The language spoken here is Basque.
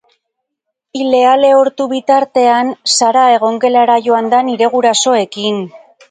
Ilea lehortu bitartean Sara egongelara joan da nire gurasoekin.